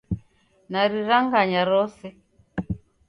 Nariranganya rose.